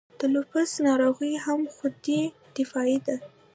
د لوپس ناروغي هم خودي دفاعي ده.